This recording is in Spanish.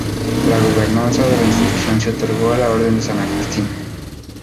La gobernanza de la institución se otorgó a la Orden de San Agustín.